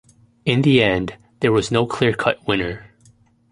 In the end, there was no clear-cut winner.